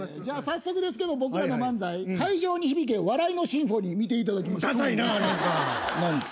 じゃあ早速ですけど僕らの漫才会場に響け笑いのシンフォニー見ていただきましょう。